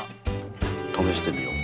ためしてみよう。